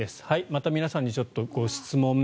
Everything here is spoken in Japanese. また皆さんに質問。